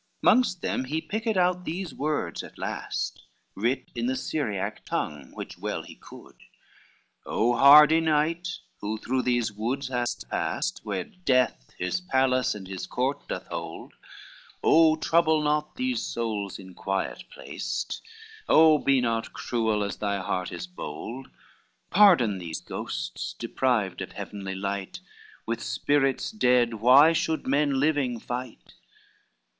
XXXIX Mongst them he picked out these words at last, Writ in the Syriac tongue, which well he could, "Oh hardy knight, who through these woods hast passed: Where Death his palace and his court doth hold! Oh trouble not these souls in quiet placed, Oh be not cruel as thy heart is bold, Pardon these ghosts deprived of heavenly light, With spirits dead why should men living fight?"